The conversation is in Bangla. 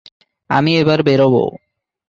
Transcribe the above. আমি এবার বেরোবো।